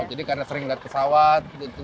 oh jadi karena sering melihat pesawat gitu